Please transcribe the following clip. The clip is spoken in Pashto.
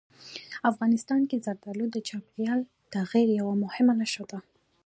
افغانستان کې زردالو د چاپېریال د تغیر یوه مهمه نښه ده.